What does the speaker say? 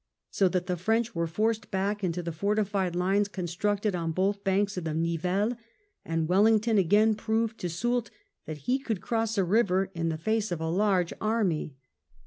So that the French were forced back into the fortified lines constracted on both banks of the Nivelle, and Wellington again proved to Soult that he could cross a river in the face of a large army.